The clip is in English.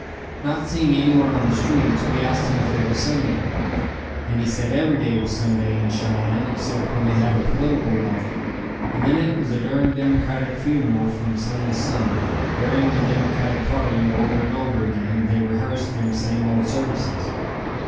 Not seeing anyone on the streets, we asked him if it was Sunday, and he said every day was Sunday in Cheyenne except when they had a political rally, and then it was a durn Democratic funeral from sun to sun, burying the Democratic party over and over again, they rehearsed them same old services.